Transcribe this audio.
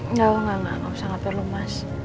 enggak enggak enggak enggak enggak usah ngapain lu mas